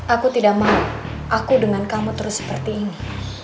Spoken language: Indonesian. aku tidak mau aku dengan kamu terus seperti ini